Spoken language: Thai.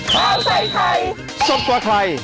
ข้าวไทยไทยส้มกว่าไทย